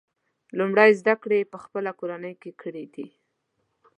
لومړۍ زده کړې یې په خپله کورنۍ کې کړي دي.